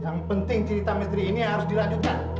yang penting cerita negeri ini harus dilanjutkan